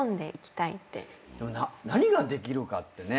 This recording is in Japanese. でも何ができるかってね。